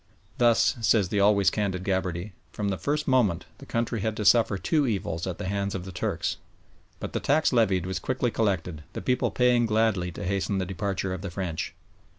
"Thus," says the always candid Gabarty, "from the first moment the country had to suffer two evils at the hands of the Turks." But the tax levied was quickly collected, the people paying gladly to hasten the departure of the French.